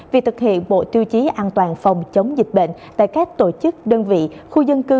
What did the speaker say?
việc thực hiện bộ tiêu chí an toàn phòng chống dịch bệnh tại các tổ chức đơn vị khu dân cư